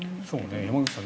山口さん